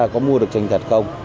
có mua được tranh thật không